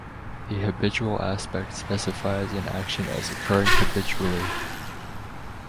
The habitual aspect specifies an action as occurring habitually.